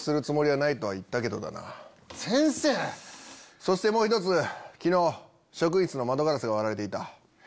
そしてもう１つ昨日職員室の窓ガラスが割られていた。